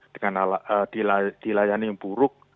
dengan alasan yang buruk